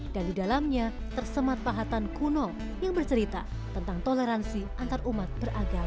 dan di dalamnya tersemat pahatan kuno yang bercerita tentang toleransi antarumat beragama